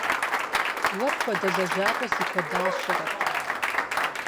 Уэ пхуэдэ лэжьакӀуэ си куэдащэрэт.